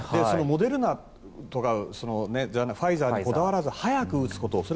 モデルナとかファイザーにこだわらず早く打つこと。